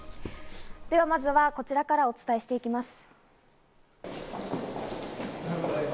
では、まずはこちらからお伝えしていきます。